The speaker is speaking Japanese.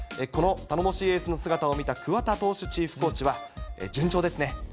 この頼もしいエースの姿を見た桑田投手チーフコーチは、順調ですね。